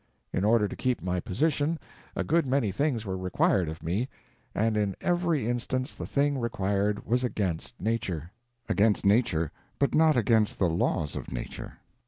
In order to keep my position, a good many things were required of me, and in every instance the thing required was against nature. Against nature, but not against the laws of nature.